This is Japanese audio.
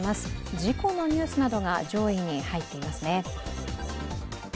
事故のニュースなどが上位に入っていますね。